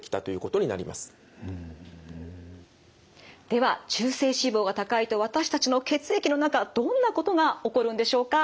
では中性脂肪が高いと私たちの血液の中どんなことが起こるんでしょうか？